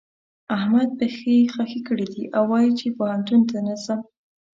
احمد پښې خښې کړې دي او وايي چې پوهنتون ته نه ځم.